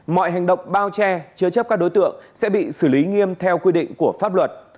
mọi hành động bao che chứa chấp các đối tượng sẽ bị xử lý nghiêm theo quy định của pháp luật